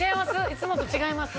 いつもと違います？